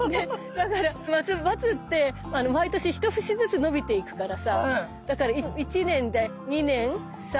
だからマツって毎年一節ずつ伸びていくからさだから１年で２年３年４年５年６年。